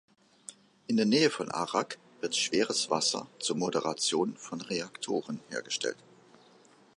In der Nähe von Arak wird Schweres Wasser zur Moderation von Reaktoren hergestellt.